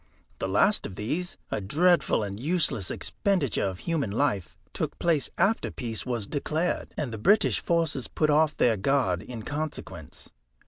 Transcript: The last of these, a dreadful and useless expenditure of human life, took place after peace was declared, and the British forces put off their guard in consequence.